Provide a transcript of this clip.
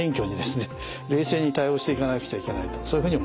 冷静に対応していかなくちゃいけないとそういうふうに思います。